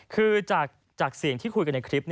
คือจากเสียงที่คุยกันในคลิป